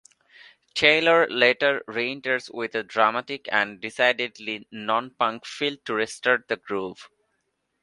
Taylor later re-enters with a dramatic and decidedly non-punk fill to restart the groove.